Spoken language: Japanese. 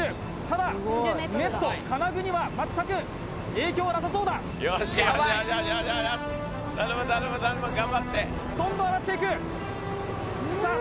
ただネット金具には全く影響はなさそうだどんどん上がっていくさあ